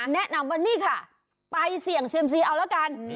แนะนำว่านี่ค่ะไปเสี่ยงเซียมซีเอาแล้วกัน